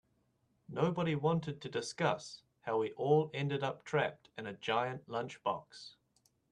Nobody wanted to discuss how we all ended up trapped in a giant lunchbox.